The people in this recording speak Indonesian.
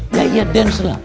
iya yeah dance lah